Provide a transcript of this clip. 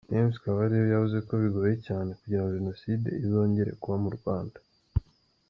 James Kabarebe yavuze ko bigoye cyane kugira ngo Jenoside izongere kuba mu Rwanda.